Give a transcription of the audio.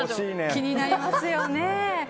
気になりますよね。